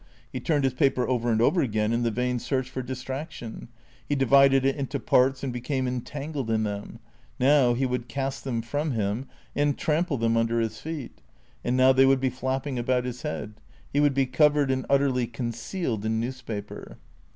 He turned his paper over and over again in the vain search for distraction ; he divided it into parts and became entangled in them; now he would cast them from him and trample them under his feet ; and now they would be flap ping about his head; he would be covered and utterly concealed in newspaper.